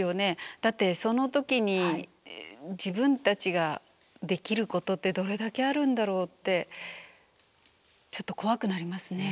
だってその時に自分たちができることってどれだけあるんだろうってちょっと怖くなりますね。